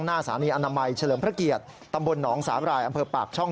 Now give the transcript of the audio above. หน้าสถานีอนามัยเฉลิมพระเกียรติตำบลหนองสาบรายอำเภอปากช่อง